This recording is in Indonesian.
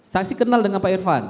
saksi kenal dengan pak irfan